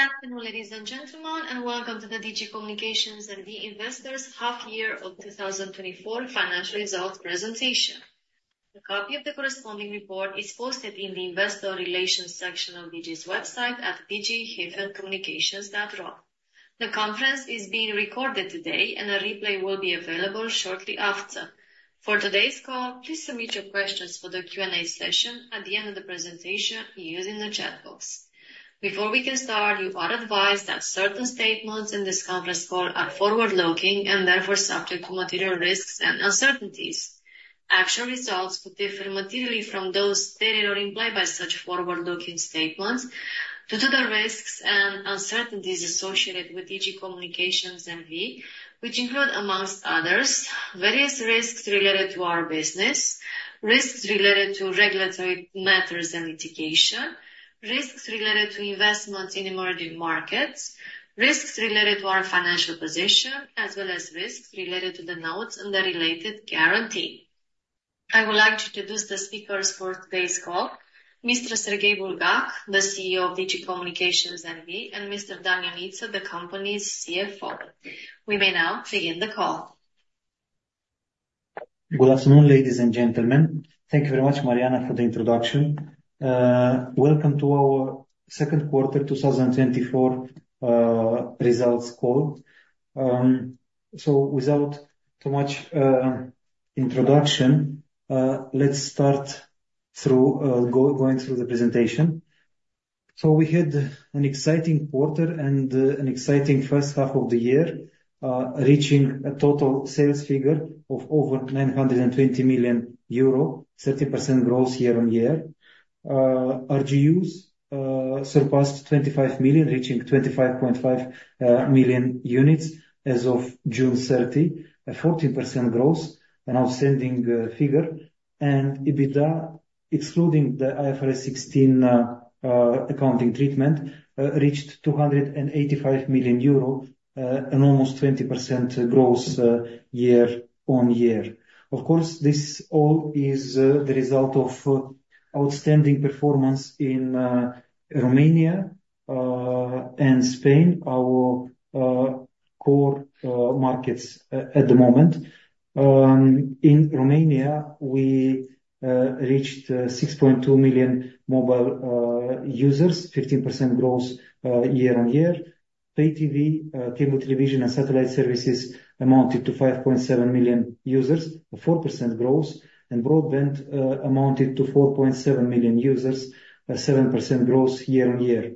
Good afternoon, ladies and gentlemen, and welcome to the Digi Communications and the Investors half year of 2024 financial results presentation. A copy of the corresponding report is posted in the investor relations section of Digi's website at digi-communications.ro. The conference is being recorded today, and a replay will be available shortly after. For today's call, please submit your questions for the Q&A session at the end of the presentation using the chat box. Before we can start, you are advised that certain statements in this conference call are forward-looking and therefore subject to material risks and uncertainties. Actual results could differ materially from those stated or implied by such forward-looking statements due to the risks and uncertainties associated with Digi Communications N.V., which include, amongst others, various risks related to our business, risks related to regulatory matters and litigation, risks related to investments in emerging markets, risks related to our financial position, as well as risks related to the notes and the related guarantee. I would like to introduce the speakers for today's call, Mr. Serghei Bulgac, the CEO of Digi Communications N.V., and Mr. Dan Nita, the company's CFO. We may now begin the call. Good afternoon, ladies and gentlemen. Thank you very much, Mariana, for the introduction. Welcome to our second quarter 2024 results call. Without too much introduction, let's start going through the presentation. We had an exciting quarter and an exciting first half of the year, reaching a total sales figure of over 920 million euro, 30% growth year-on-year. RGUs surpassed 25 million, reaching 25.5 million units as of June 30, a 14% growth, an outstanding figure. EBITDA, excluding the IFRS 16 accounting treatment, reached 285 million euro, an almost 20% growth year-on-year. Of course, this all is the result of outstanding performance in Romania and Spain, our core markets at the moment. In Romania, we reached 6.2 million mobile users, 15% growth year-on-year. Pay TV, cable television and satellite services amounted to 5.7 million users, a 4% growth, and broadband amounted to 4.7 million users, a 7% growth year-on-year.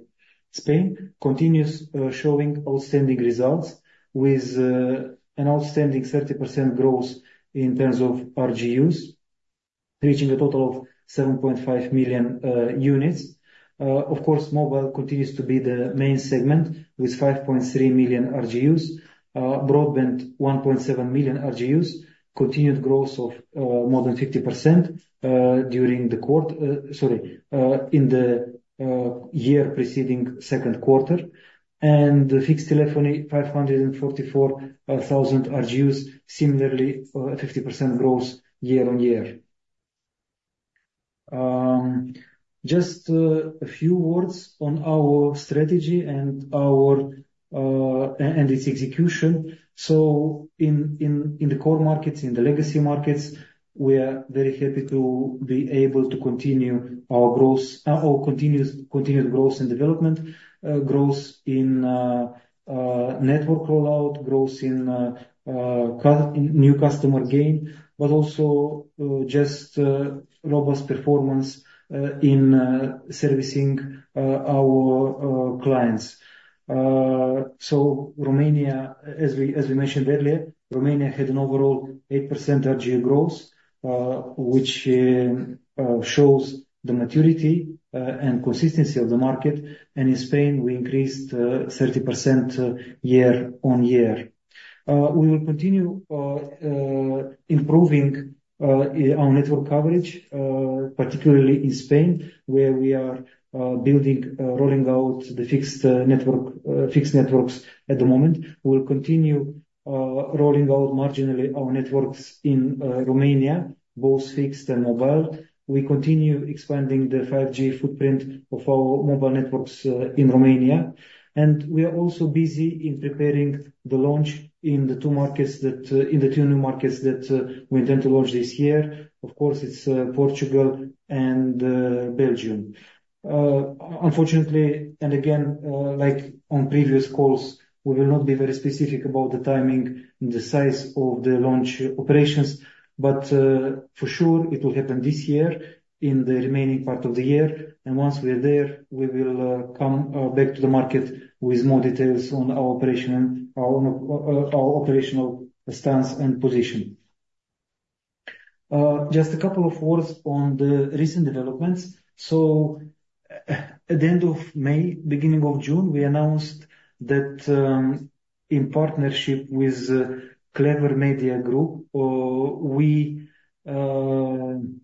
Spain continues showing outstanding results with an outstanding 30% growth in terms of RGUs, reaching a total of 7.5 million units. Of course, mobile continues to be the main segment, with 5.3 million RGUs. Broadband, 1.7 million RGUs, continued growth of more than 50% during the quarter... In the year preceding second quarter, and the fixed telephony, 544,000 RGUs, similarly, 50% growth year-on-year. Just a few words on our strategy and our and its execution. So in the core markets, in the legacy markets, we are very happy to be able to continue our growth, or continuous, continued growth and development, growth in new customer gain, but also just robust performance in servicing our clients. So Romania, as we mentioned earlier, Romania had an overall 8% RGU growth, which shows the maturity and consistency of the market, and in Spain, we increased 30% year-on-year. We will continue improving our network coverage, particularly in Spain, where we are building rolling out the fixed network fixed networks at the moment. We will continue rolling out marginally our networks in Romania, both fixed and mobile. We continue expanding the 5G footprint of our mobile networks in Romania, and we are also busy in preparing the launch in the two new markets that we intend to launch this year. Of course, it's Portugal and Belgium. Unfortunately, and again, like on previous calls, we will not be very specific about the timing and the size of the launch operations, but for sure, it will happen this year in the remaining part of the year. Once we're there, we will come back to the market with more details on our operation and our operational stance and position. Just a couple of words on the recent developments. At the end of May, beginning of June, we announced that in partnership with Clever Media Group, we signed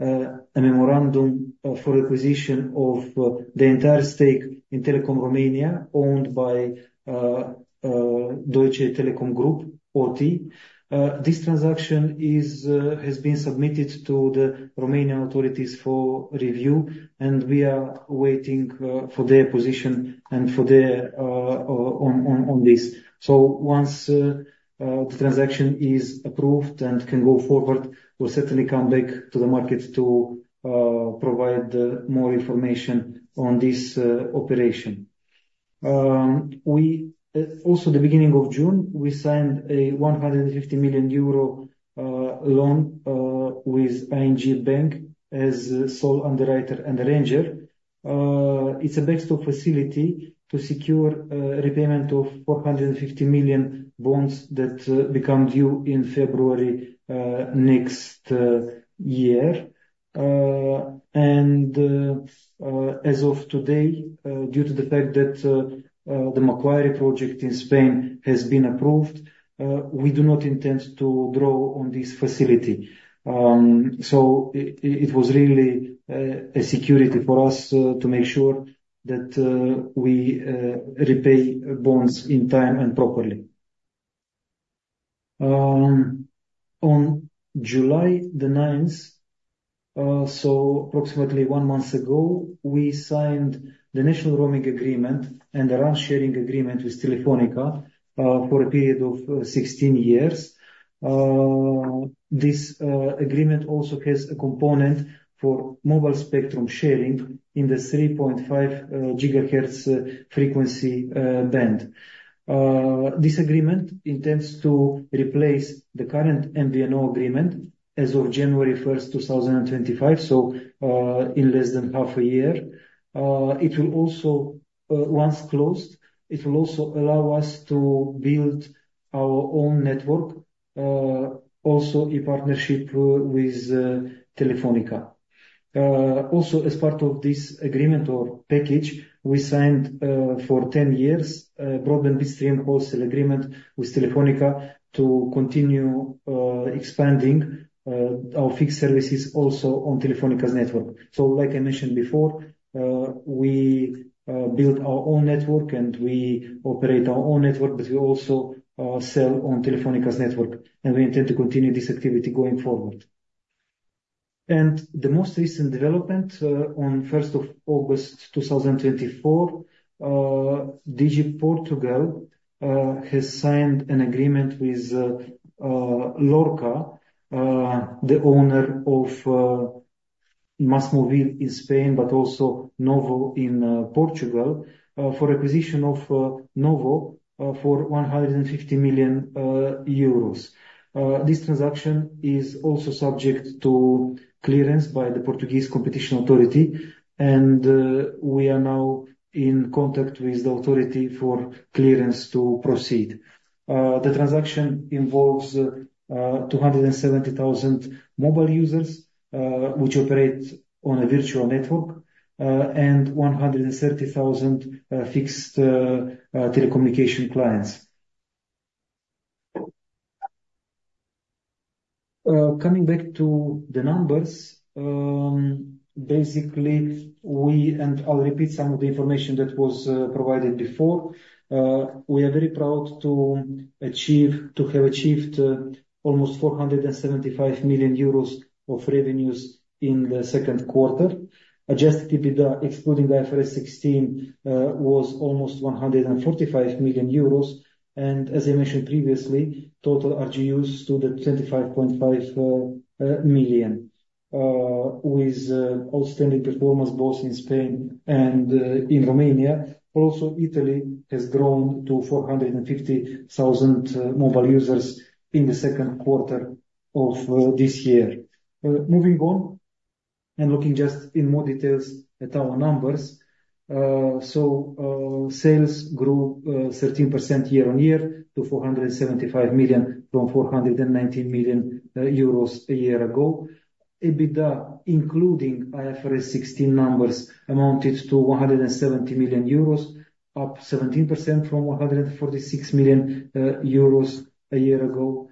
a memorandum for acquisition of the entire stake in Telekom Romania owned by Deutsche Telekom Group, OTE. This transaction has been submitted to the Romanian authorities for review, and we are waiting for their position and for their on this. Once the transaction is approved and can go forward, we'll certainly come back to the market to provide more information on this operation. We also the beginning of June, we signed a 150 million euro loan with ING Bank as sole underwriter and arranger. It's a backstop facility to secure repayment of 450 million bonds that become due in February next year. As of today, due to the fact that the Macquarie project in Spain has been approved, we do not intend to draw on this facility. It was really a security for us to make sure that we repay bonds in time and properly. On July the ninth, approximately one month ago, we signed the National Roaming Agreement and the Revenue Sharing Agreement with Telefónica for a period of 16 years. This agreement also has a component for mobile spectrum sharing in the 3.5 gigahertz frequency band. This agreement intends to replace the current MVNO agreement as of January first, 2025, so in less than half a year. It will also, once closed, allow us to build our own network also in partnership with Telefónica. Also, as part of this agreement or package, we signed for 10 years a broadband upstream wholesale agreement with Telefónica to continue expanding our fixed services also on Telefónica's network. So, like I mentioned before, we build our own network and we operate our own network, but we also sell on Telefónica's network, and we intend to continue this activity going forward. The most recent development on the first of August 2024, Digi Portugal has signed an agreement with Lorca, the owner of MÁSMÓVIL in Spain, but also NOWO in Portugal, for acquisition of NOWO for 150 million euros. This transaction is also subject to clearance by the Portuguese Competition Authority, and we are now in contact with the authority for clearance to proceed. The transaction involves 270,000 mobile users, which operate on a virtual network, and 130,000 fixed telecommunication clients. Coming back to the numbers, basically, we, and I'll repeat some of the information that was provided before, we are very proud to achieve- to have achieved almost 475 million euros of revenues in the second quarter. Adjusted EBITDA, excluding IFRS 16, was almost 145 million euros, and as I mentioned previously, total RGUs to the 25.5 million, with outstanding performance both in Spain and in Romania. Also, Italy has grown to 450,000 mobile users in the second quarter of this year. Moving on and looking just in more details at our numbers. So, sales grew 13% year-on-year to 475 million from 419 million euros a year ago. EBITDA, including IFRS 16 numbers, amounted to 170 million euros, up 17% from 146 million euros a year ago.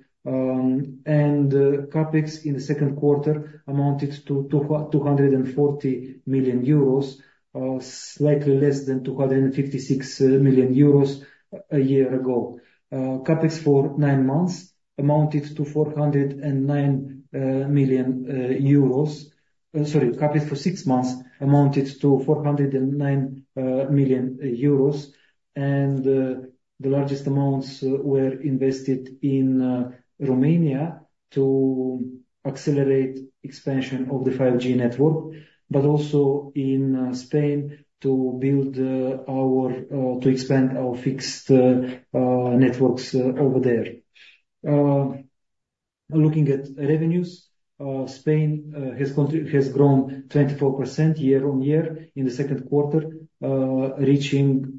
CapEx in the second quarter amounted to 240 million euros, slightly less than 256 million euros a year ago. CapEx for nine months amounted to 409 million euros. Sorry, CapEx for six months amounted to 409 million euros, and the largest amounts were invested in Romania to accelerate expansion of the 5G network, but also in Spain to build our to expand our fixed networks over there. Looking at revenues, Spain has contin... has grown 24% year-on-year in the second quarter, reaching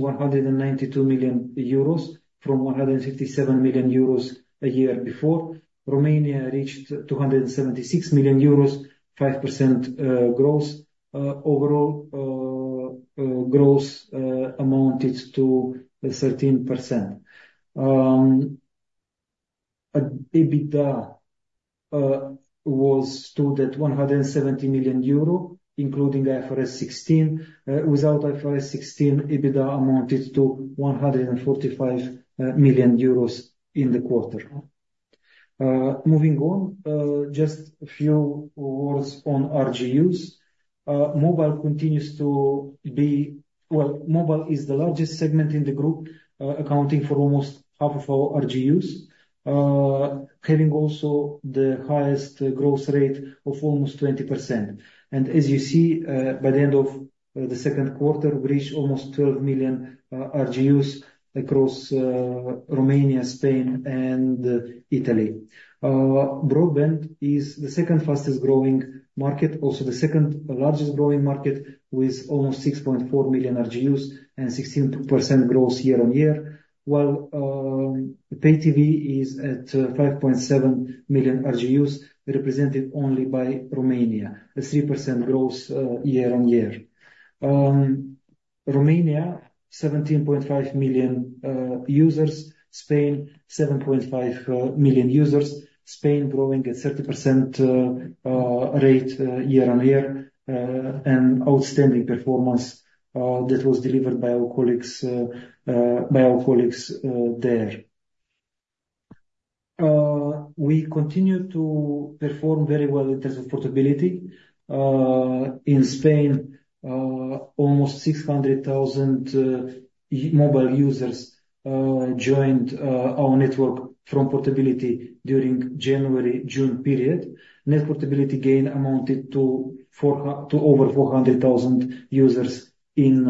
192 million euros from 157 million euros a year before. Romania reached 276 million euros, 5% growth, overall growth amounted to 13%. EBITDA was stood at 170 million, including IFRS 16. Without IFRS 16, EBITDA amounted to 145 million euros in the quarter. Moving on, just a few words on RGUs. Mobile continues to be. Well, mobile is the largest segment in the group, accounting for almost half of our RGUs, having also the highest growth rate of almost 20%. As you see, by the end of the second quarter, we reached almost 12 million RGUs across Romania, Spain, and Italy. Broadband is the second fastest growing market, also the second largest growing market, with almost 6.4 million RGUs and 16% growth year-over-year. While pay TV is at 5.7 million RGUs, represented only by Romania, a 3% growth year-over-year. Romania, 17.5 million users, Spain, 7.5 million users. Spain growing at 30% rate year-on-year, an outstanding performance that was delivered by our colleagues there. We continue to perform very well in terms of portability. In Spain, almost 600,000 mobile users joined our network from portability during the January-June period. Net portability gain amounted to over 400,000 users in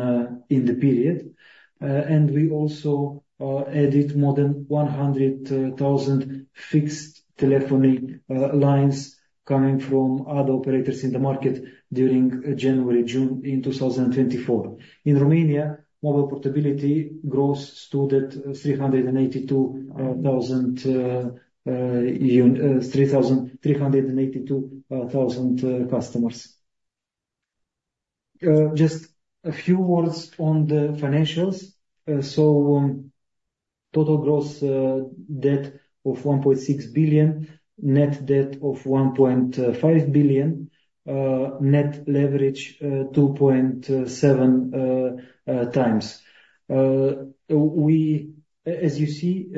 the period. And we also added more than 100,000 fixed telephony lines coming from other operators in the market during January-June 2024. In Romania, mobile portability growth stood at 382,000 customers. Just a few words on the financials. So, total gross debt of 1.6 billion, net debt of 1.5 billion, net leverage 2.7x. As you see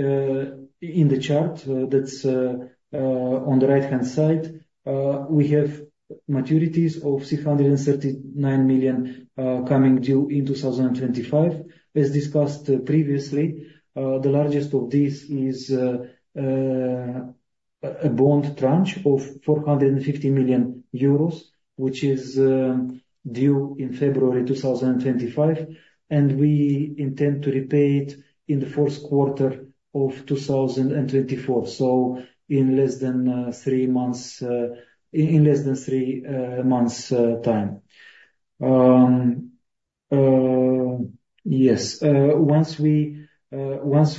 in the chart, that's on the right-hand side, we have maturities of 639 million coming due in 2025. As discussed previously, the largest of these is a bond tranche of 450 million euros, which is due in February 2025, and we intend to repay it in the first quarter of 2024, so in less than three months' time. Yes, once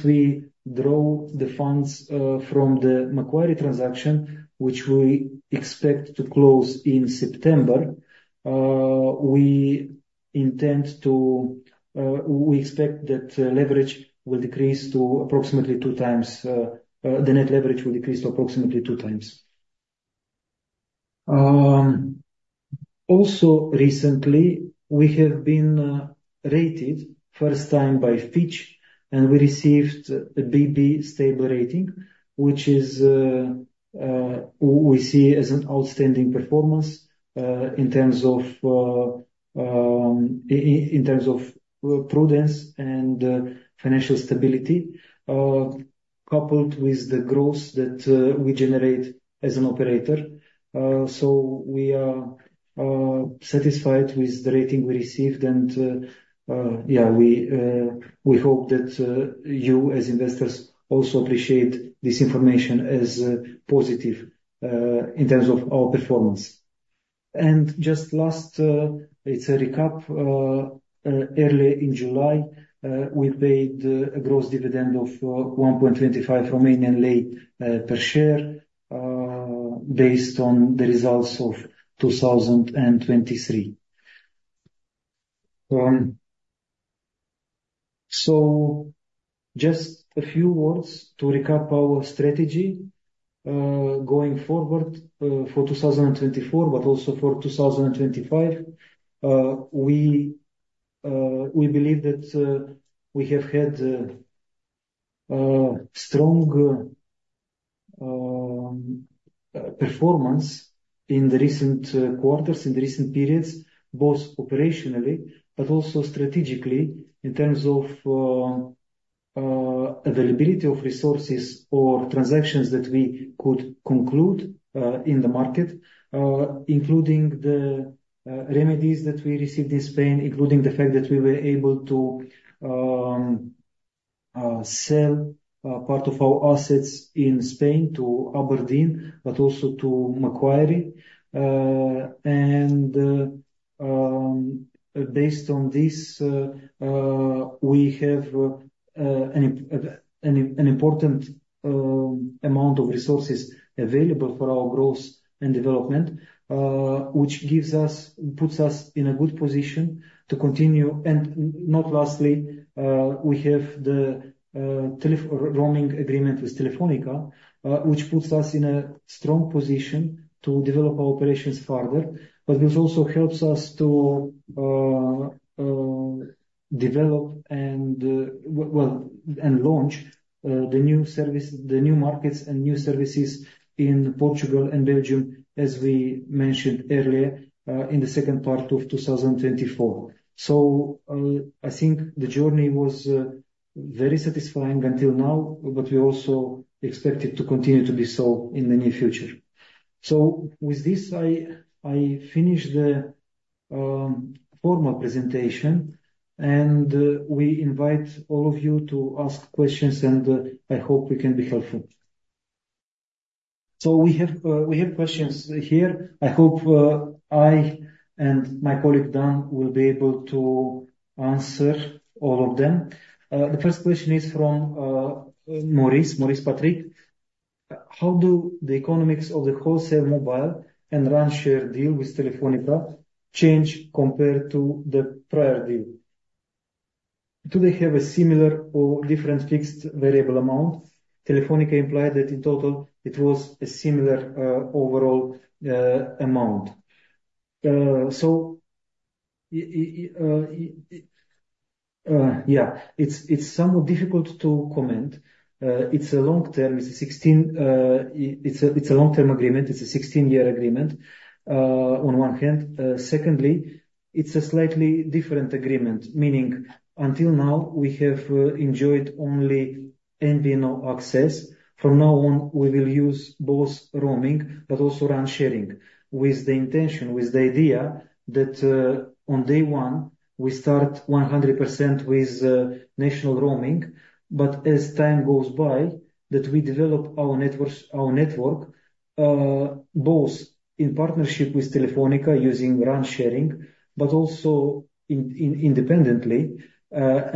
we draw the funds from the Macquarie transaction, which we expect to close in September, we intend to, we expect that leverage will decrease to approximately 2x, the net leverage will decrease to approximately 2x. Also, recently, we have been rated first time by Fitch, and we received a BB stable rating, which we see as an outstanding performance in terms of prudence and financial stability, coupled with the growth that we generate as an operator. So we are satisfied with the rating we received, and yeah, we hope that you as investors also appreciate this information as positive in terms of our performance. And just last, it's a recap early in July, we paid a gross dividend of 1.25 RON per share based on the results of 2023. So just a few words to recap our strategy going forward for 2024, but also for 2025. We believe that we have had strong performance in the recent quarters, in the recent periods, both operationally, but also strategically, in terms of availability of resources or transactions that we could conclude in the market, including the remedies that we received in Spain, including the fact that we were able to sell part of our assets in Spain to Aberdeen, but also to Macquarie. Based on this, we have an important amount of resources available for our growth and development, which gives us, puts us in a good position to continue. And not lastly, we have the Telefónica roaming agreement with Telefónica, which puts us in a strong position to develop our operations further. But this also helps us to develop and well, and launch the new service, the new markets and new services in Portugal and Belgium, as we mentioned earlier, in the second part of 2024. So, I think the journey was very satisfying until now, but we also expect it to continue to be so in the near future. So with this, I finish the formal presentation, and we invite all of you to ask questions, and I hope we can be helpful. We have questions here. I hope I and my colleague, Dan, will be able to answer all of them. The first question is from Maurice Patrick: How do the economics of the wholesale mobile and RAN share deal with Telefónica change compared to the prior deal? Do they have a similar or different fixed variable amount? Telefónica implied that in total it was a similar overall amount. So it's somewhat difficult to comment. It's a long-term agreement, it's a 16-year agreement, on one hand. Secondly, it's a slightly different agreement, meaning until now, we have enjoyed only MVNO access. From now on, we will use both roaming but also RAN sharing, with the intention, with the idea that on day one, we start 100% with national roaming. But as time goes by, that we develop our networks, our network, both in partnership with Telefónica, using RAN sharing, but also in independently. And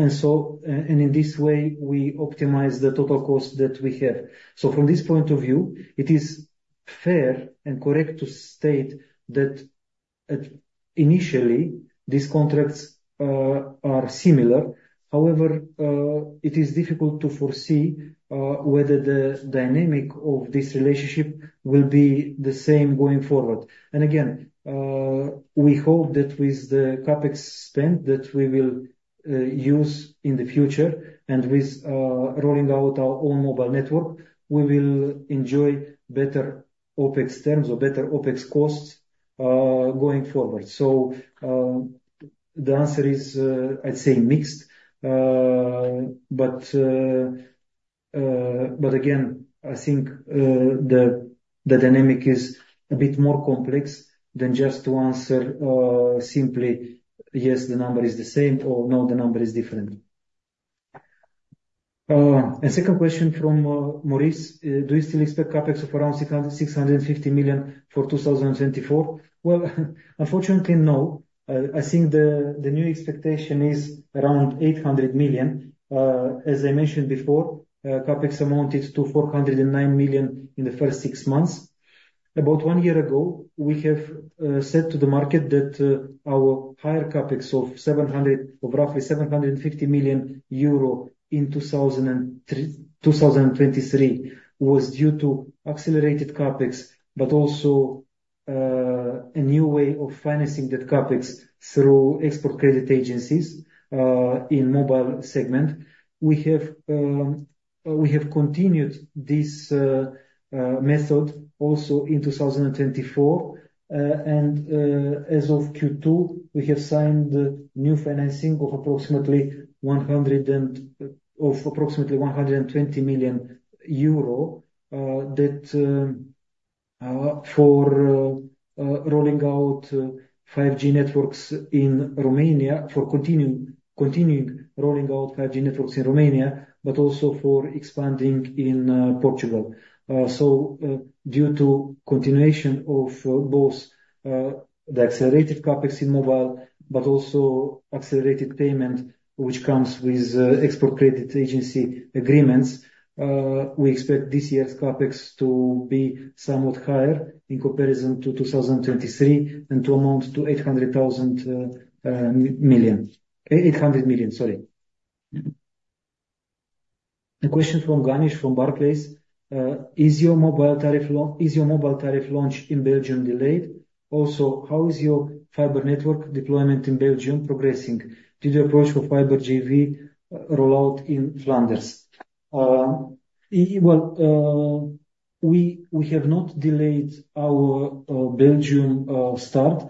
so, and in this way, we optimize the total cost that we have. So from this point of view, it is fair and correct to state that at initially these contracts are similar. However, it is difficult to foresee whether the dynamic of this relationship will be the same going forward. Again, we hope that with the CapEx spend that we will use in the future and with rolling out our own mobile network, we will enjoy better OpEx terms or better OpEx costs going forward. So, the answer is, I'd say mixed. But again, I think the dynamic is a bit more complex than just to answer simply, "Yes, the number is the same," or, "No, the number is different." And second question from Maurice: Do you still expect CapEx of around 600 million-650 million for 2024? Well, unfortunately, no. I think the new expectation is around 800 million. As I mentioned before, CapEx amounted to 409 million in the first six months. About one year ago, we have said to the market that our higher CapEx of 700 million or roughly 750 million euro in 2023 was due to accelerated CapEx, but also a new way of financing that CapEx through export credit agencies in mobile segment. We have continued this method also in 2024. And as of Q2, we have signed new financing of approximately 120 million that for rolling out 5G networks in Romania for continuing rolling out 5G networks in Romania, but also for expanding in Portugal. So, due to continuation of both the accelerated CapEx in mobile, but also accelerated payment, which comes with export credit agency agreements, we expect this year's CapEx to be somewhat higher in comparison to 2023 and to amount to 800,000 million. 800 million, sorry. A question from Ganesh, from Barclays. Is your mobile tariff launch in Belgium delayed? Also, how is your fiber network deployment in Belgium progressing? Did you approach for fiber JV rollout in Flanders? Well, we have not delayed our Belgium start.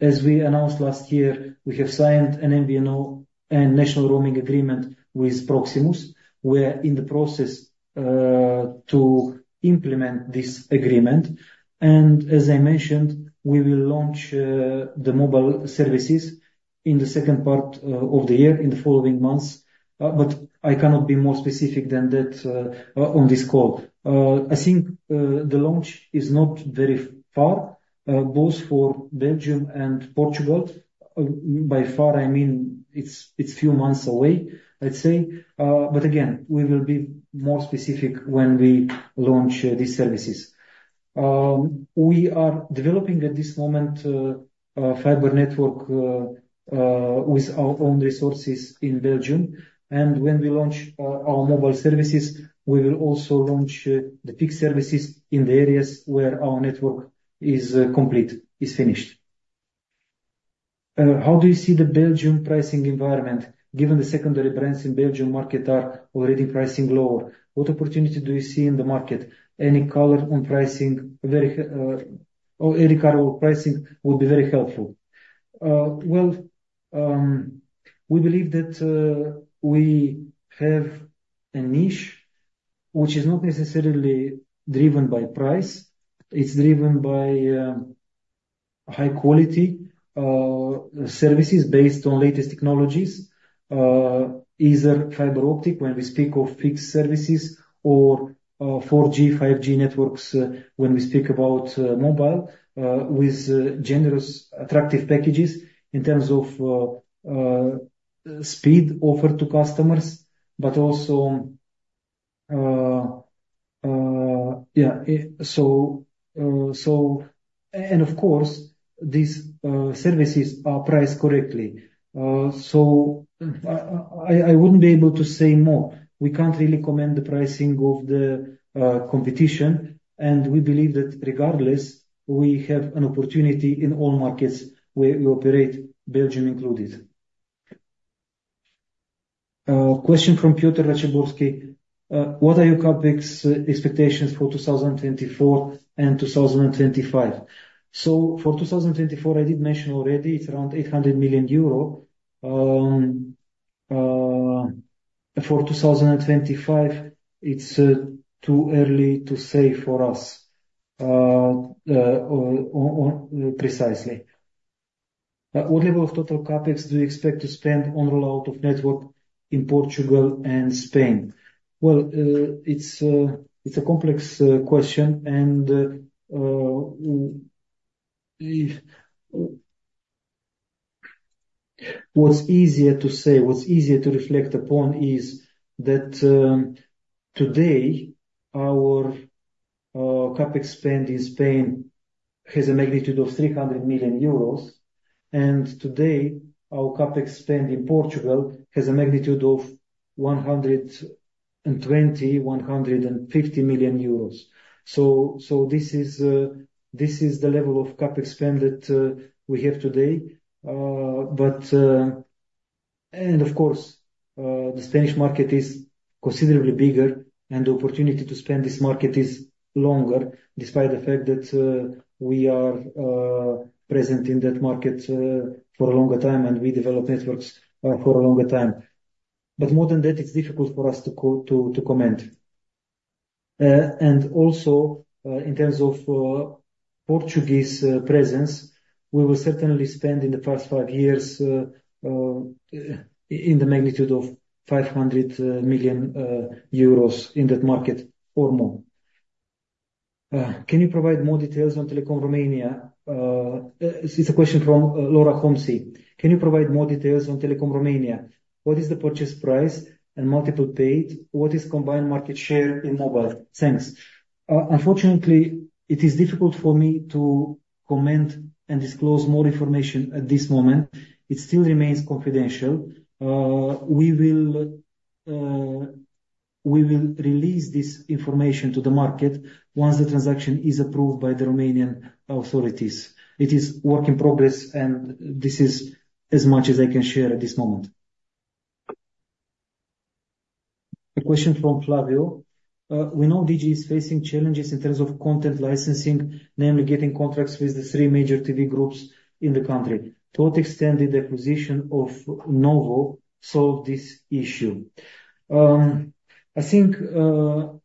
As we announced last year, we have signed an MVNO and national roaming agreement with Proximus. We are in the process to implement this agreement, and as I mentioned, we will launch the mobile services-... In the second part of the year, in the following months, but I cannot be more specific than that on this call. I think the launch is not very far both for Belgium and Portugal. By far, I mean, it's a few months away, I'd say. But again, we will be more specific when we launch these services. We are developing at this moment a fiber network with our own resources in Belgium, and when we launch our mobile services, we will also launch the fixed services in the areas where our network is complete, is finished. How do you see the Belgium pricing environment, given the secondary brands in Belgium market are already pricing lower? What opportunity do you see in the market? Any color on pricing would be very helpful. Well, we believe that we have a niche which is not necessarily driven by price. It's driven by high quality services based on latest technologies. Either fiber optic, when we speak of fixed services, or 4G, 5G networks, when we speak about mobile, with generous, attractive packages in terms of speed offered to customers, but also... Yeah, so and of course, these services are priced correctly. So I wouldn't be able to say more. We can't really comment the pricing of the competition, and we believe that regardless, we have an opportunity in all markets where we operate, Belgium included. Question from Piotr Raciborski. What are your CapEx expectations for 2024 and 2025? So for 2024, I did mention already, it's around 800 million euro. For 2025, it's too early to say for us on precisely. What level of total CapEx do you expect to spend on rollout of network in Portugal and Spain? Well, it's a complex question, and what's easier to say, what's easier to reflect upon is that, today, our CapEx spend in Spain has a magnitude of 300 million euros, and today, our CapEx spend in Portugal has a magnitude of 120 million-150 million euros. So this is the level of CapEx spend that we have today. But, And of course, the Spanish market is considerably bigger, and the opportunity to spend this market is longer, despite the fact that we are present in that market for a longer time, and we develop networks for a longer time. But more than that, it's difficult for us to comment. And also, in terms of Portuguese presence, we will certainly spend in the first five years in the magnitude of 500 million euros in that market or more. Can you provide more details on Telekom Romania? It's a question from Laura Homsy. Can you provide more details on Telekom Romania? What is the purchase price and multiple paid? What is combined market share in mobile? Thanks. Unfortunately, it is difficult for me to comment and disclose more information at this moment. It still remains confidential. We will release this information to the market once the transaction is approved by the Romanian authorities. It is work in progress, and this is as much as I can share at this moment. A question from Flavio: We know Digi is facing challenges in terms of content licensing, namely getting contracts with the three major TV groups in the country. To what extent did the acquisition of NOWO solve this issue? I think, NOWO-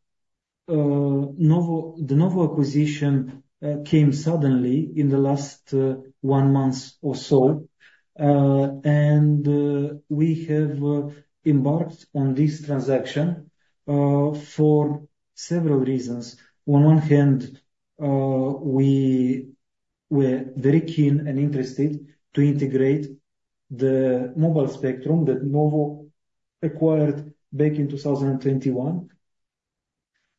the NOWO acquisition, came suddenly in the last one month or so, and we have embarked on this transaction for several reasons. On one hand, we were very keen and interested to integrate the mobile spectrum that NOWO acquired back in 2021.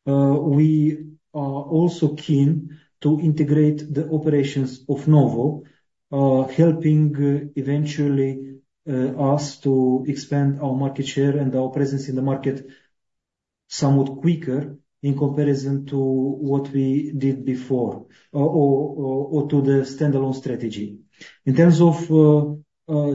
We are also keen to integrate the operations of NOWO, helping eventually us to expand our market share and our presence in the market somewhat quicker in comparison to what we did before or to the standalone strategy. In terms of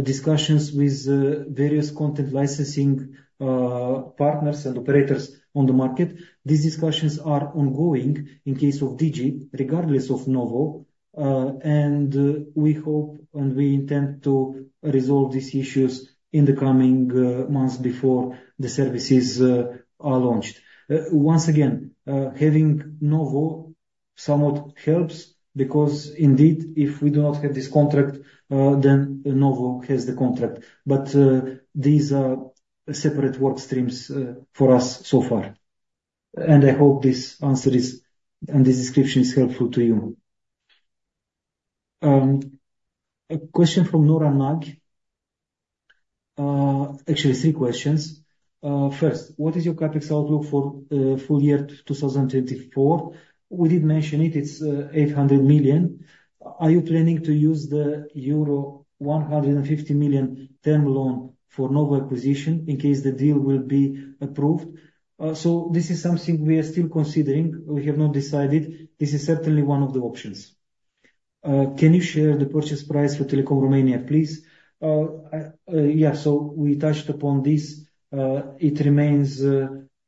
discussions with various content licensing partners and operators on the market, these discussions are ongoing in case of DG, regardless of NOWO, and we hope, and we intend to resolve these issues in the coming months before the services are launched. Once again, having NOWO somewhat helps, because indeed, if we do not have this contract, then NOWO has the contract. But these are separate work streams for us so far. And I hope this answer is, and this description is helpful to you. A question from Nora Nagy. Actually, three questions. First, what is your CapEx outlook for full year 2024? We did mention it, it's 800 million. Are you planning to use the euro 150 million term loan for NOWO acquisition in case the deal will be approved? So this is something we are still considering. We have not decided. This is certainly one of the options. Can you share the purchase price for Telekom Romania, please? I, yeah, so we touched upon this. It remains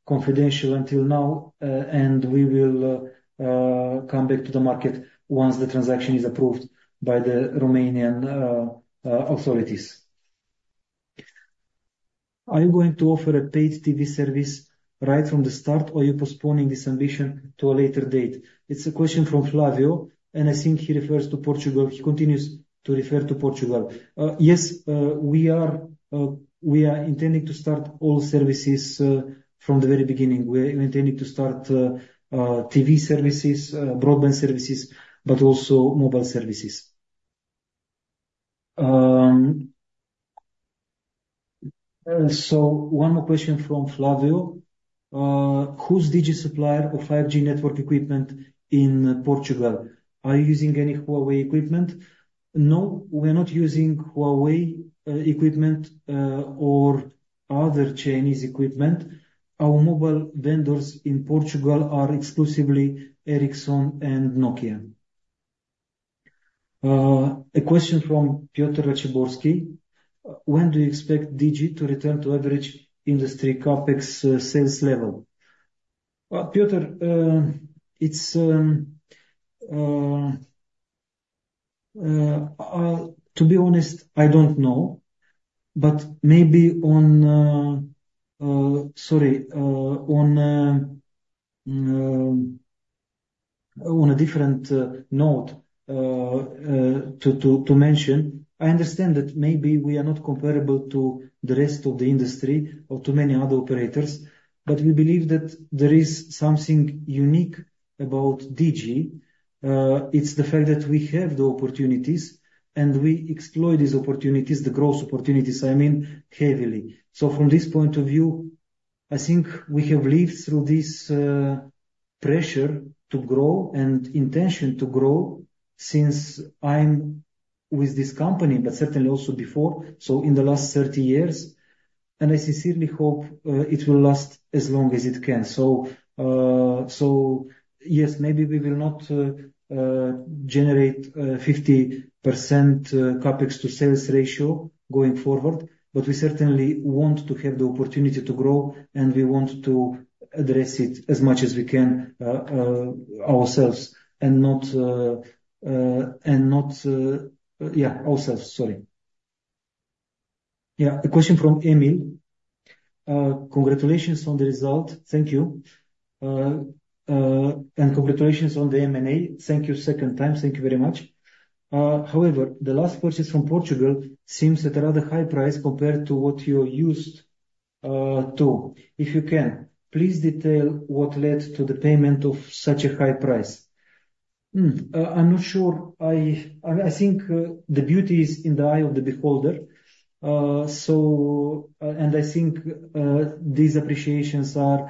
confidential until now, and we will come back to the market once the transaction is approved by the Romanian authorities. Are you going to offer a Pay TV service right from the start, or are you postponing this ambition to a later date? It's a question from Flavio, and I think he refers to Portugal. He continues to refer to Portugal. Yes, we are intending to start all services from the very beginning. We are intending to start TV services, broadband services, but also mobile services. So one more question from Flavio. Who is Digi supplier of 5G network equipment in Portugal, are you using any Huawei equipment? No, we are not using Huawei equipment or other Chinese equipment. Our mobile vendors in Portugal are exclusively Ericsson and Nokia. A question from Piotr Raciborski: When do you expect Digi to return to average industry CapEx sales level? Well, Peter, to be honest, I don't know. But maybe on a different note, to mention, I understand that maybe we are not comparable to the rest of the industry or to many other operators, but we believe that there is something unique about Digi. It's the fact that we have the opportunities, and we exploit these opportunities, the growth opportunities, I mean, heavily. So from this point of view, I think we have lived through this pressure to grow and intention to grow since I'm with this company, but certainly also before, so in the last 30 years, and I sincerely hope it will last as long as it can. So yes, maybe we will not generate 50% CapEx to sales ratio going forward, but we certainly want to have the opportunity to grow, and we want to address it as much as we can ourselves, and not... Yeah, ourselves. Sorry. Yeah, a question from Emil. Congratulations on the result. Thank you. And congratulations on the M&A. Thank you second time. Thank you very much. However, the last purchase from Portugal seems at a rather high price compared to what you're used to. If you can, please detail what led to the payment of such a high price. I'm not sure. I think the beauty is in the eye of the beholder. I think these appreciations are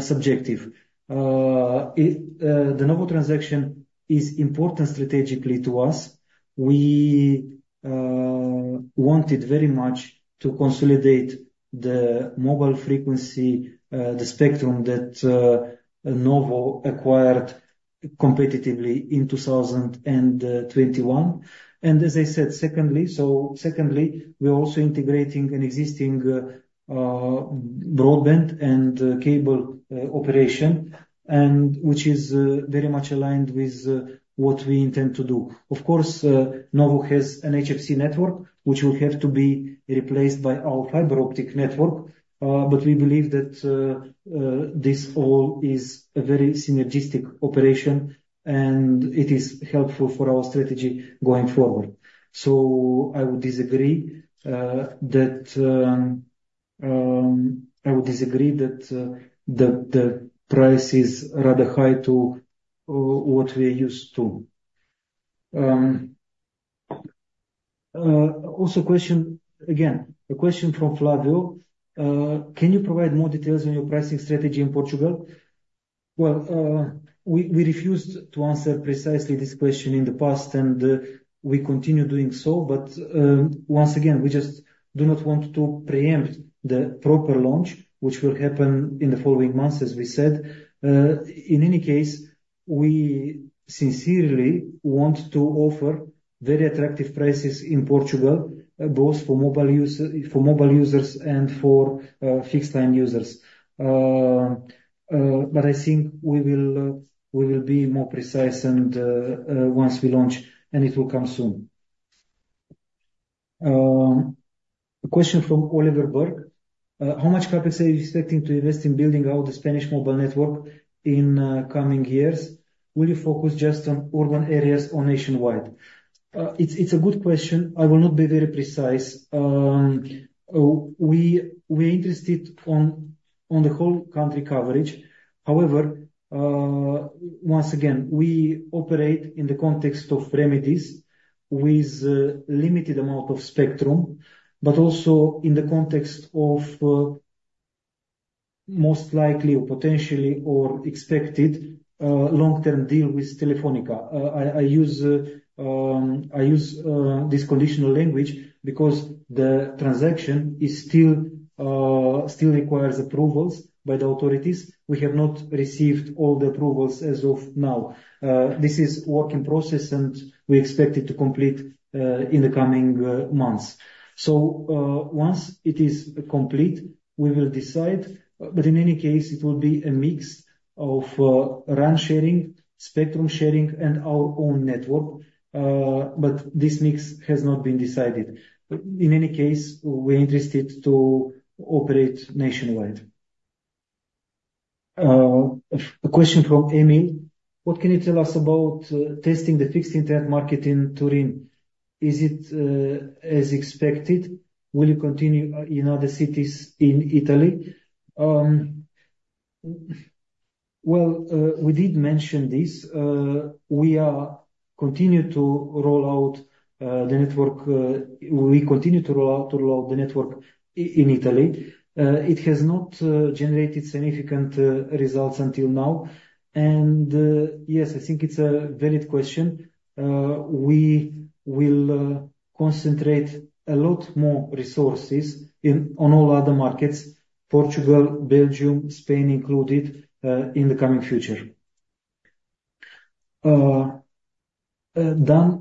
subjective. The NOWO transaction is important strategically to us. We wanted very much to consolidate the mobile frequency, the spectrum that NOWO acquired competitively in 2021. And as I said, secondly, we are also integrating an existing broadband and cable operation, and which is very much aligned with what we intend to do. Of course, NOWO has an HFC network, which will have to be replaced by our fiber optic network, but we believe that this all is a very synergistic operation, and it is helpful for our strategy going forward. So I would disagree that the price is rather high to what we're used to. Also a question from Flavio: Can you provide more details on your pricing strategy in Portugal? Well, we refused to answer precisely this question in the past, and we continue doing so. But once again, we just do not want to preempt the proper launch, which will happen in the following months, as we said. In any case, we sincerely want to offer very attractive prices in Portugal, both for mobile user, for mobile users and for fixed line users. But I think we will be more precise, and once we launch, and it will come soon. A question from Oliver Berg: how much capital are you expecting to invest in building out the Spanish mobile network in coming years? Will you focus just on urban areas or nationwide? It's a good question. I will not be very precise. We're interested on the whole country coverage. However, once again, we operate in the context of remedies with limited amount of spectrum, but also in the context of most likely, or potentially, or expected long-term deal with Telefónica. I use this conditional language because the transaction is still requires approvals by the authorities. We have not received all the approvals as of now. This is work in process, and we expect it to complete in the coming months. So, once it is complete, we will decide, but in any case, it will be a mix of RAN sharing, spectrum sharing, and our own network. But this mix has not been decided. In any case, we're interested to operate nationwide. A question from Emil: What can you tell us about testing the fixed internet market in Turin? Is it as expected, will you continue in other cities in Italy? Well, we did mention this. We are continue to roll out the network. We continue to roll out the network in Italy. It has not generated significant results until now. And yes, I think it's a valid question. We will concentrate a lot more resources on all other markets, Portugal, Belgium, Spain included, in the coming future. Dan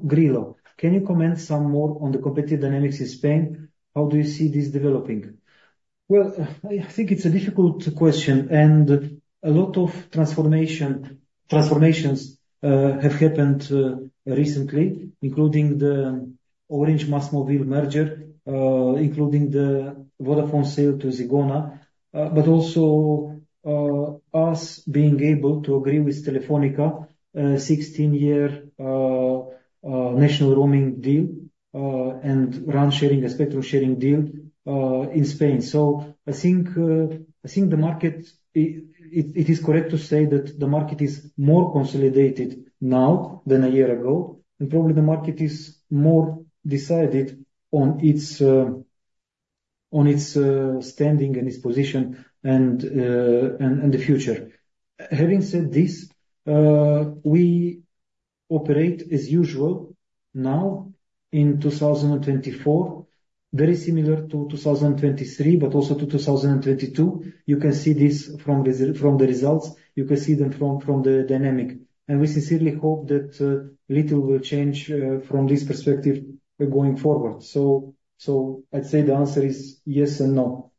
Grillo, can you comment some more on the competitive dynamics in Spain? How do you see this developing? Well, I think it's a difficult question, and a lot of transformations have happened recently, including the Orange-MÁSMÓVIL merger, including the Vodafone sale to Zegona, but also us being able to agree with Telefónica, 16-year national roaming deal, and RAN sharing and spectrum sharing deal in Spain. So I think the market is more consolidated now than a year ago, and probably the market is more decided on its standing and its position and the future. Having said this, we operate as usual now in 2024, very similar to 2023, but also to 2022. You can see this from the results. You can see them from the dynamic, and we sincerely hope that little will change from this perspective going forward. So I'd say the answer is yes and no.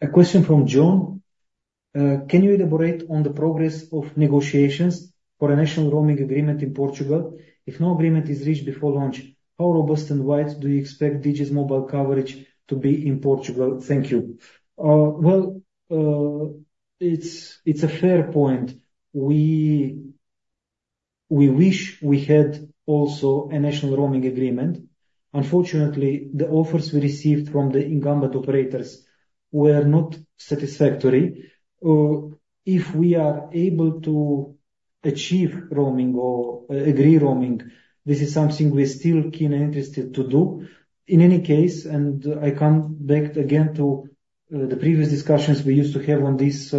A question from John: Can you elaborate on the progress of negotiations for a national roaming agreement in Portugal? If no agreement is reached before launch, how robust and wide do you expect Digi's mobile coverage to be in Portugal? Thank you. Well, it's a fair point. We wish we had also a national roaming agreement. Unfortunately, the offers we received from the incumbent operators were not satisfactory. If we are able to achieve roaming or agree roaming, this is something we're still keen and interested to do. In any case, and I come back again to the previous discussions we used to have on this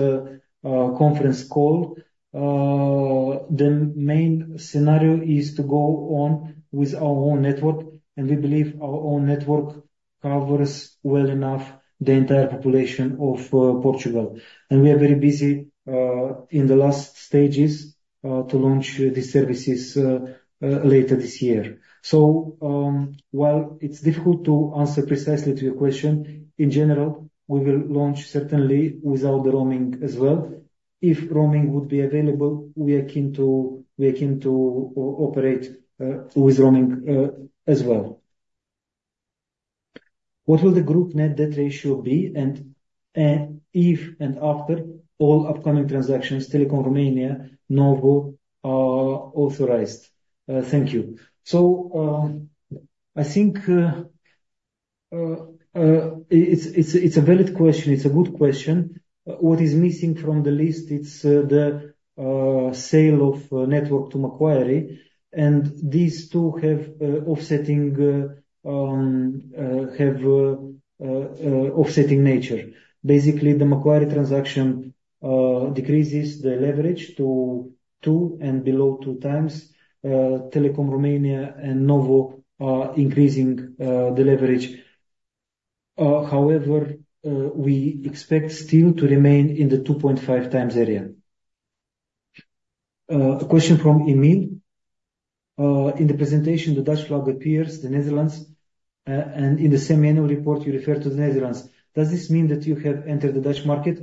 conference call. The main scenario is to go on with our own network, and we believe our own network covers well enough the entire population of Portugal. And we are very busy in the last stages to launch the services later this year. So, while it's difficult to answer precisely to your question, in general, we will launch certainly without the roaming as well. If roaming would be available, we are keen to, we are keen to operate with roaming as well. What will the group net debt ratio be, and if and after all upcoming transactions, Telekom Romania, NOWO, authorized? Thank you. So, I think it's a valid question. It's a good question. What is missing from the list, it's the sale of network to Macquarie, and these two have offsetting nature. Basically, the Macquarie transaction decreases the leverage to two and below 2x, Telekom Romania and NOWO are increasing the leverage. However, we expect still to remain in the 2.5x area. A question from Emil: In the presentation, the Dutch flag appears, the Netherlands, and in the same annual report, you refer to the Netherlands. Does this mean that you have entered the Dutch market?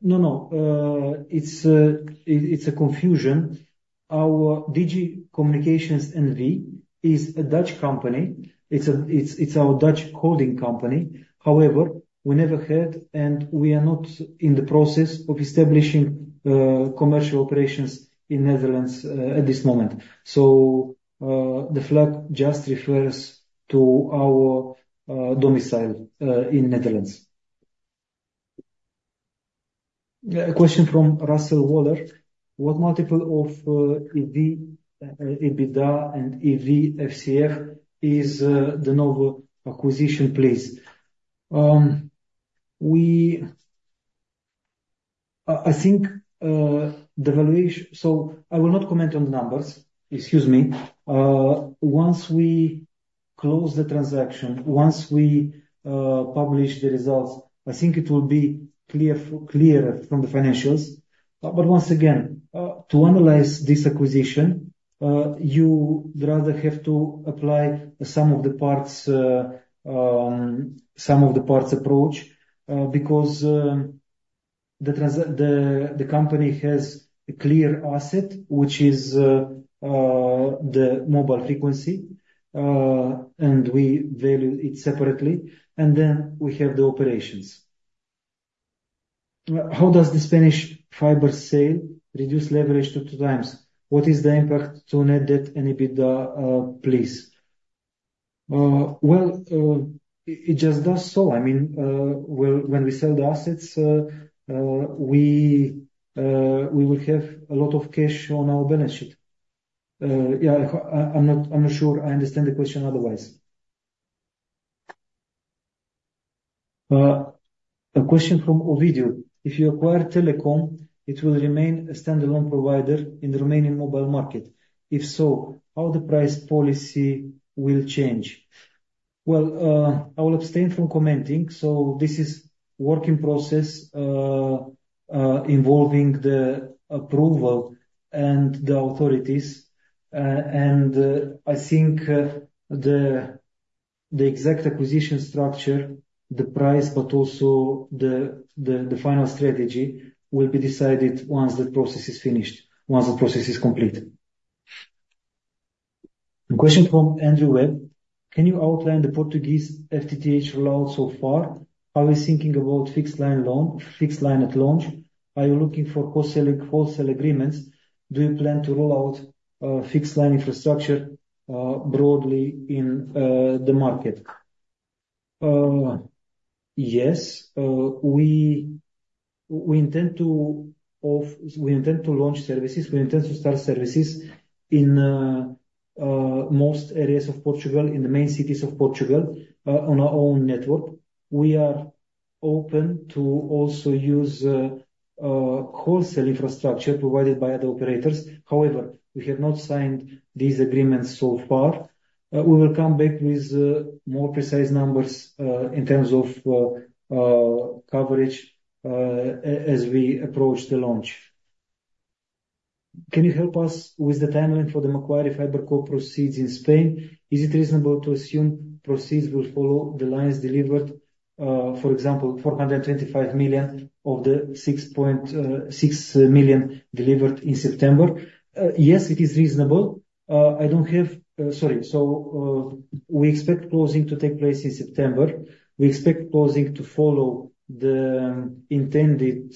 No, no, it's, it, it's a confusion. Our Digi Communications N.V. is a Dutch company. It's a, it's, it's our Dutch holding company. However, we never had, and we are not in the process of establishing, commercial operations in Netherlands, at this moment. So, the flag just refers to our, domicile, in Netherlands. A question from Russell Waller: What multiple of, EV, EBITDA and EV FCF is, the NOWO acquisition, please? I think, so I will not comment on the numbers, excuse me. Once we close the transaction, once we publish the results, I think it will be clear for, clear from the financials. But once again, to analyze this acquisition, you'd rather have to apply the sum of the parts, sum of the parts approach, because, the company has a clear asset, which is, the mobile frequency, and we value it separately, and then we have the operations. How does the Spanish fiber sale reduce leverage to 2x? What is the impact to net debt and EBITDA, please? Well, it just does so. I mean, when we sell the assets, we will have a lot of cash on our balance sheet. Yeah, I'm not sure I understand the question otherwise. A question from Ovidiu. If you acquire Telekom, it will remain a standalone provider in the Romanian mobile market. If so, how the price policy will change? Well, I will abstain from commenting, so this is working process involving the approval and the authorities. And, I think, the exact acquisition structure, the price, but also the final strategy, will be decided once the process is finished, once the process is complete. A question from Andrew Webb: Can you outline the Portuguese FTTH rollout so far? Are we thinking about fixed line launch, fixed line at launch? Are you looking for wholesaling, wholesale agreements? Do you plan to roll out fixed line infrastructure broadly in the market? Yes, we intend to launch services. We intend to start services in most areas of Portugal, in the main cities of Portugal, on our own network. We are open to also use wholesale infrastructure provided by other operators. However, we have not signed these agreements so far. We will come back with more precise numbers in terms of coverage as we approach the launch. Can you help us with the timeline for the Macquarie Fiberco proceeds in Spain? Is it reasonable to assume proceeds will follow the lines delivered, for example, 425 million of the 6.6 million delivered in September? Yes, it is reasonable. I don't have, sorry. So, we expect closing to take place in September. We expect closing to follow the intended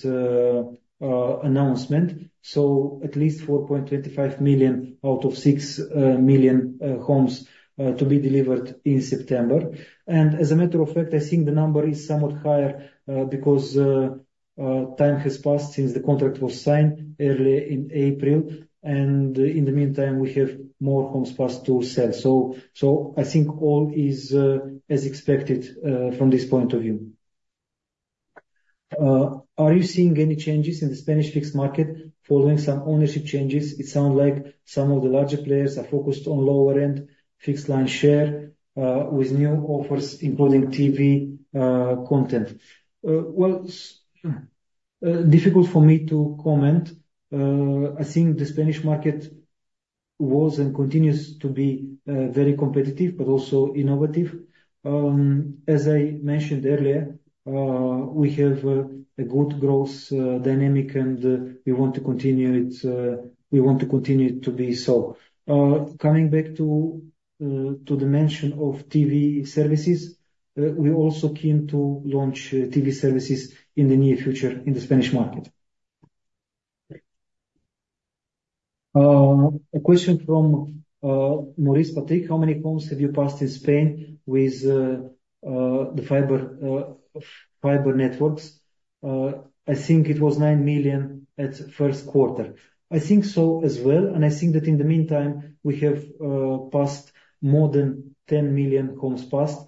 announcement, so at least 4.25 million out of 6 million homes to be delivered in September. And as a matter of fact, I think the number is somewhat higher, because time has passed since the contract was signed early in April, and in the meantime, we have more homes passed to sell. So, I think all is as expected from this point of view. Are you seeing any changes in the Spanish fixed market following some ownership changes? It sounds like some of the larger players are focused on lower-end fixed-line share with new offers, including TV content. Well, difficult for me to comment. I think the Spanish market was and continues to be, very competitive, but also innovative. As I mentioned earlier, we have a, a good growth, dynamic, and, we want to continue it, we want to continue to be so. Coming back to, to the mention of TV services, we're also keen to launch, TV services in the near future in the Spanish market. A question from, Maurice Patrick: How many homes have you passed in Spain with, the fiber, fiber networks? I think it was 9 million at first quarter. I think so as well, and I think that in the meantime, we have, passed more than 10 million homes passed.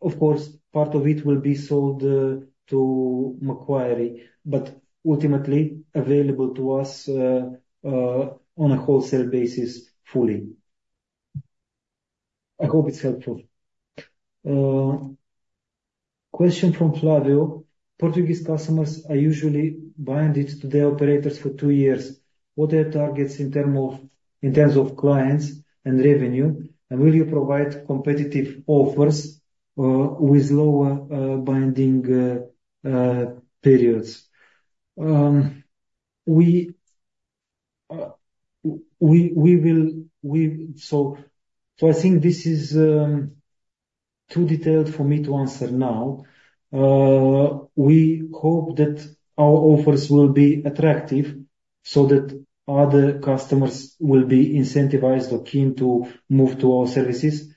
Of course, part of it will be sold to Macquarie, but ultimately available to us on a wholesale basis, fully. I hope it's helpful. Question from Flavio. Portuguese customers are usually bound to their operators for two years. What are your targets in terms of clients and revenue, and will you provide competitive offers with lower binding periods? We will. So I think this is too detailed for me to answer now. We hope that our offers will be attractive, so that other customers will be incentivized or keen to move to our services.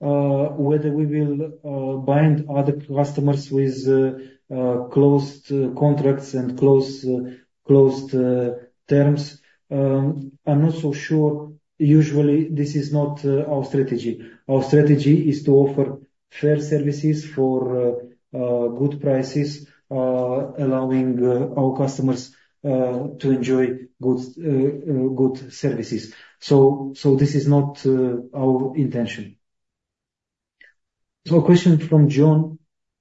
Whether we will bind other customers with closed contracts and closed terms. I'm not so sure. Usually, this is not our strategy. Our strategy is to offer fair services for good prices, allowing our customers to enjoy good services. So this is not our intention. So a question from John.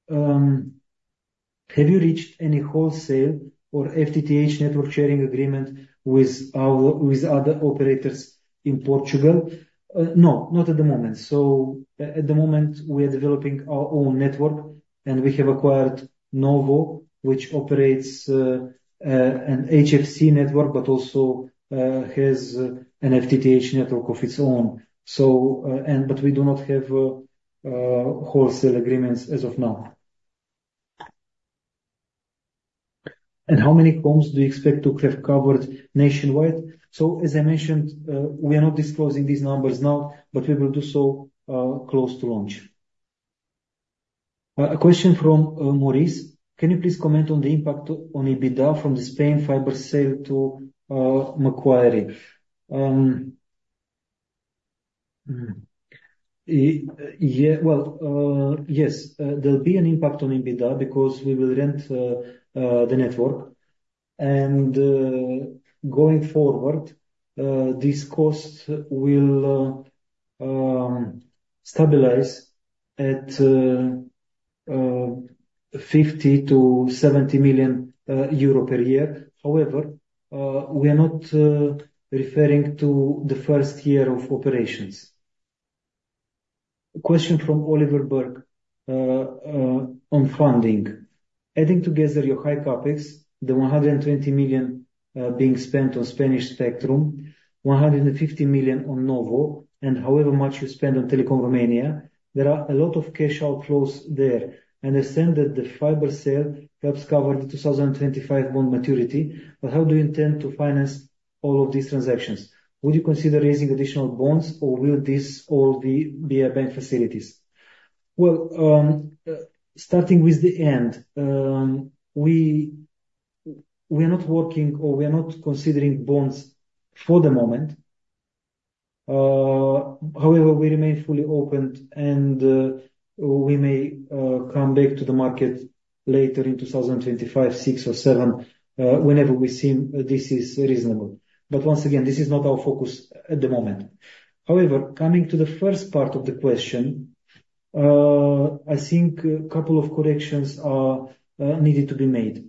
Have you reached any wholesale or FTTH network sharing agreement with other operators in Portugal? No, not at the moment. So at the moment, we are developing our own network, and we have acquired NOWO, which operates an HFC network, but also has an FTTH network of its own. So and but we do not have wholesale agreements as of now. And how many homes do you expect to have covered nationwide? So, as I mentioned, we are not disclosing these numbers now, but we will do so close to launch. A question from Maurice. Can you please comment on the impact on EBITDA from the Spain fiber sale to Macquarie? Yes, there'll be an impact on EBITDA because we will rent the network. Going forward, these costs will stabilize at 50 million-70 million euro per year. However, we are not referring to the first year of operations. A question from Oliver Berg on funding. Adding together your high CapEx, the 120 million being spent on Spanish spectrum, 150 million on NOWO, and however much you spend on Telekom Romania, there are a lot of cash outflows there. I understand that the fiber sale helps cover the 2025 bond maturity, but how do you intend to finance all of these transactions? Would you consider raising additional bonds, or will this all be via bank facilities? Well, starting with the end, we are not working, or we are not considering bonds for the moment. However, we remain fully opened, and we may come back to the market later in 2025, six or seven, whenever we seem this is reasonable. But once again, this is not our focus at the moment. However, coming to the first part of the question, I think a couple of corrections are needed to be made.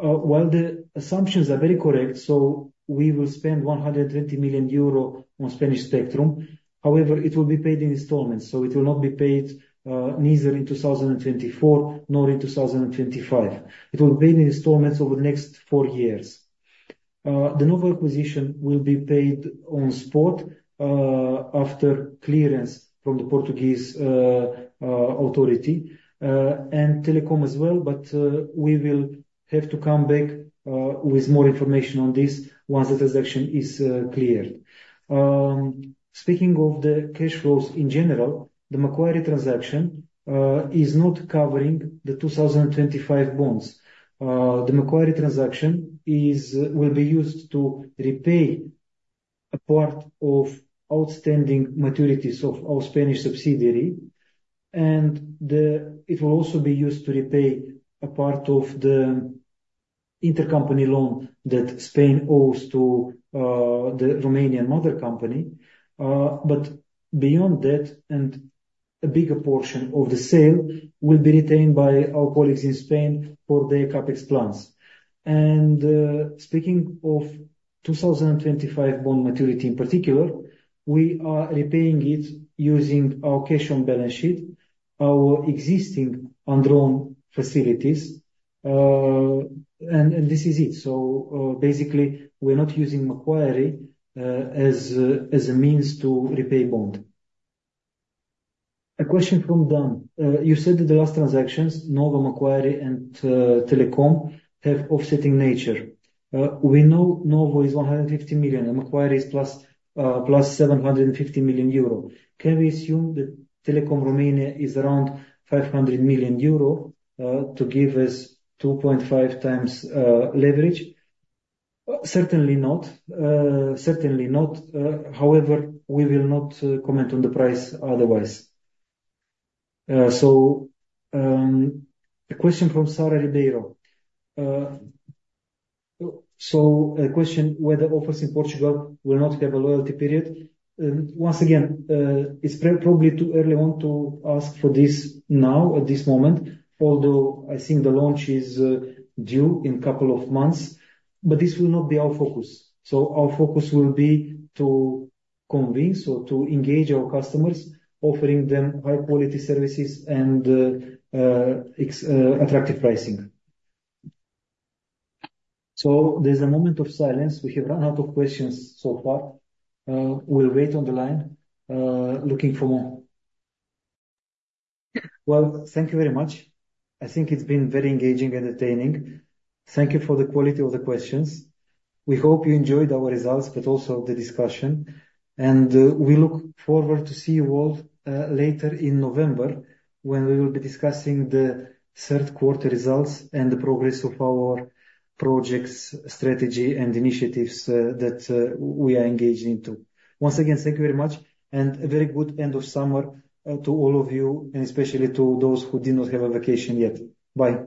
While the assumptions are very correct, so we will spend 120 million euro on Spanish spectrum. However, it will be paid in installments, so it will not be paid neither in 2024 nor in 2025. It will be paid in installments over the next four years. The NOWO acquisition will be paid on spot after clearance from the Portuguese authority and Telekom as well, but we will have to come back with more information on this once the transaction is cleared. Speaking of the cash flows in general, the Macquarie transaction is not covering the 2025 bonds. The Macquarie transaction will be used to repay a part of outstanding maturities of our Spanish subsidiary, and it will also be used to repay a part of the intercompany loan that Spain owes to the Romanian mother company. But beyond that, a bigger portion of the sale will be retained by our colleagues in Spain for their CapEx plans. Speaking of 2025 bond maturity, in particular, we are repaying it using our cash on balance sheet, our existing undrawn facilities, and this is it. Basically, we're not using Macquarie as a means to repay bond. A question from Dan. You said that the last transactions, NOWO, Macquarie, and Telekom Romania, have offsetting nature. We know NOWO is 150 million, and Macquarie is +750 million euro. Can we assume that Telekom Romania is around 500 million euro to give us 2.5x leverage? Certainly not, certainly not. However, we will not comment on the price otherwise. A question from Sara Ribeiro. A question, whether offers in Portugal will not have a loyalty period. Once again, it's probably too early on to ask for this now, at this moment, although I think the launch is due in couple of months, but this will not be our focus. So our focus will be to convince or to engage our customers, offering them high-quality services and attractive pricing. So there's a moment of silence. We have run out of questions so far. We'll wait on the line, looking for more. Well, thank you very much. I think it's been very engaging and entertaining. Thank you for the quality of the questions. We hope you enjoyed our results, but also the discussion, and we look forward to see you all later in November, when we will be discussing the third quarter results and the progress of our projects, strategy, and initiatives that we are engaged into. Once again, thank you very much, and a very good end of summer to all of you, and especially to those who did not have a vacation yet. Bye.